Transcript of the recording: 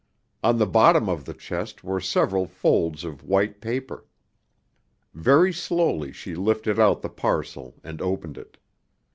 On the bottom of the chest were several folds of white paper. Very slowly she lifted out the parcel and opened it.